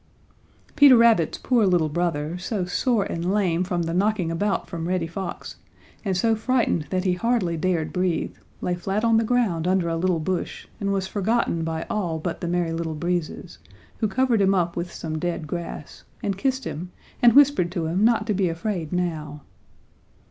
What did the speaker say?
Peter Rabbit's poor little brother, so sore and lame from the knocking about from Reddy Fox, and so frightened that he hardly dared breathe, lay flat on the ground under a little bush and was forgotten by all but the Merry Little Breezes, who covered him up with some dead grass, and kissed him and whispered to him not to be afraid now.